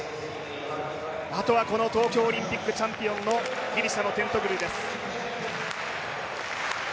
あとはこの東京オリンピックチャンピオンのギリシャのテントグルです。